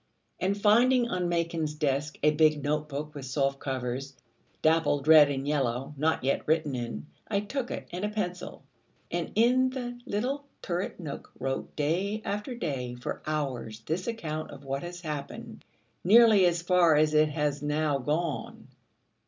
And finding on Machen's desk a big note book with soft covers, dappled red and yellow, not yet written in, I took it, and a pencil, and in the little turret nook wrote day after day for hours this account of what has happened, nearly as far as it has now gone.